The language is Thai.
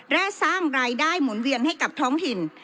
และสร้างรายได้หมุนเวียนให้กับท้องถิ่น